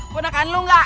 penekan lu gak